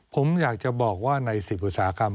ผมอยากจะบอกว่าใน๑๐อุตสาหกรรม